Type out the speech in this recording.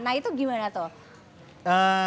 nah itu gimana tuh